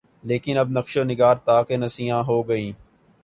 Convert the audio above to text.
لیکن اب نقش و نگارِ طاق نسیاں ہو گئیں